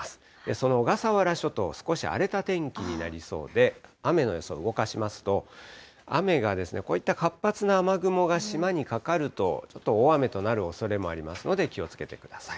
その小笠原諸島、少し荒れた天気になりそうで、雨の予想、動かしますと、雨が、こういった活発な雨雲が島にかかると、ちょっと大雨となるおそれもありますので、気をつけてください。